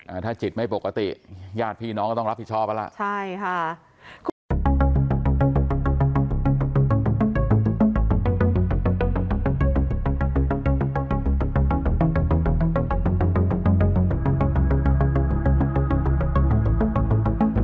ถ้าจิตไม่ปกติญาติพี่น้องก็ต้องรับผิดชอบกันล่ะใช่ค่ะ